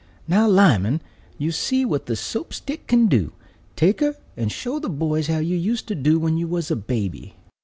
"Now, Lyman, you see what the Soap stick can do. Take her, and show the boys how you used to do when you was a baby."